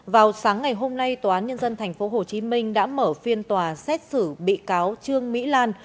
vào sáng ngày hôm nay tòa án nhân dân tp hcm đã mở phiên tòa xét xử bị cáo trương mỹ lan